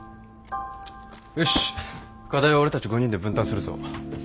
よし課題は俺たち５人で分担するぞ。